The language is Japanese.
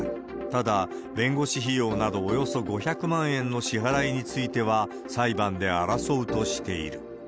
ただ、弁護士費用などおよそ５００万円の支払いについては、裁判で争うとしている。